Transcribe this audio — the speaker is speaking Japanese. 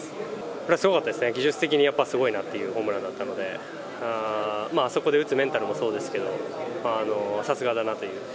それはすごかったですね、技術的にやっぱすごいなっていうホームランだったので、あそこで打つメンタルもそうですけど、さすがだなという。